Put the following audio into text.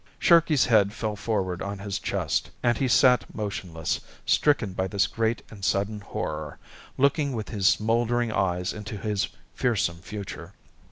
Sharkey's head fell forward on his chest, and he sat motionless, stricken by this great and sudden horror, looking with his smouldering eyes into his fearsome future.